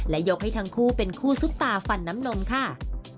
และยกให้ทั้งคู่เป็นคู่ซุปตาฟันน้ำนมค่ะ